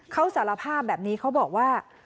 เขาสารภาพแบบนี้เขาบอกว่า